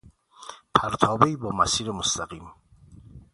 پرتابهای با مسیر مستقیم